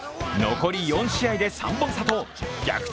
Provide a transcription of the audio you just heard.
残り４試合で３本差と逆転